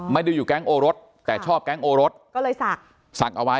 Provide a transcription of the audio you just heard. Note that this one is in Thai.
ไม่ได้อยู่แก๊งโอรสแต่ชอบแก๊งโอรสก็เลยศักดิ์ศักดิ์เอาไว้